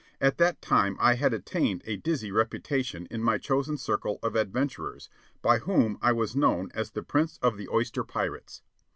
At that time I had attained a dizzy reputation in my chosen circle of adventurers, by whom I was known as the Prince of the Oyster Pirates.